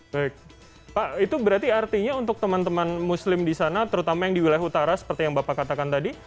baik pak itu berarti artinya untuk teman teman muslim di sana terutama yang di wilayah utara seperti yang bapak katakan tadi